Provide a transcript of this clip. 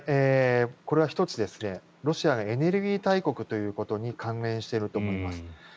これはロシアはエネルギー大国ということに関連していると思います。